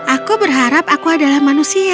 aku berharap aku adalah manusia